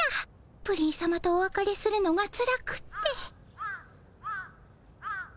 プリンさまとおわかれするのがつらくって。